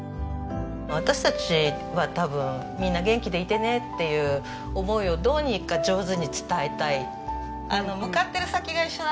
私たちは多分みんな元気でいてねっていう思いをどうにか上手に伝えたい。